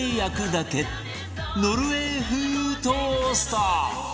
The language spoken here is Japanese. ノルウェー風トースト